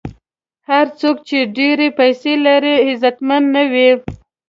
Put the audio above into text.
هر څوک چې ډېرې پیسې لري، عزتمن نه وي.